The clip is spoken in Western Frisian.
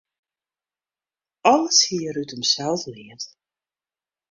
Alles hie er út himsels leard.